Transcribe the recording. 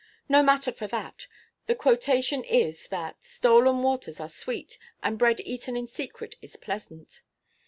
No matter for that; the quotation is, that "stolen waters are sweet, and bread eaten in secret is pleasant."